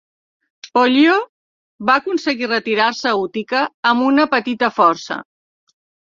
Pollio va aconseguir retirar-se a Utica amb una petita força.